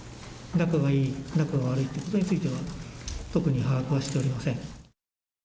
仲がいい、仲が悪いということについては、特に把握はしておりません。